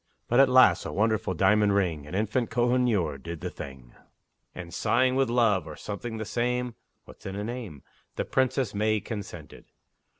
But at last a wonderful diamond ring, An infant Kohinoor, did the thing, And, sighing with love, or something the same, (What's in a name?) The Princess May consented.